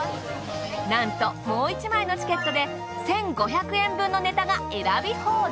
なんともう１枚のチケットで１５００円分のネタが選び放題。